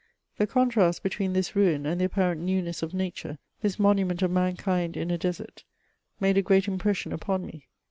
The contrast between this ruin and the apparent newness of nature, this monument of mankind in a desert, made a great impression upon me.